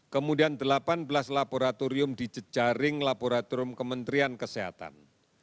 kemudian delapan belas laboratorium di jejaring laboratorium kementerian kesehatan